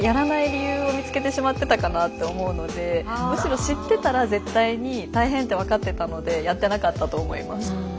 むしろ知ってたら絶対に大変って分かってたのでやってなかったと思います。